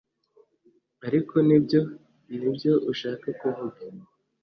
Ariko nibyo nibyo ushaka kuvuga